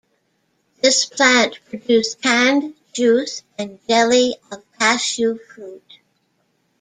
This plant produced canned juice and jelly of cashew fruit.